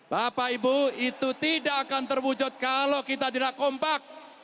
bapak ibu itu tidak akan terwujud kalau kita tidak kompak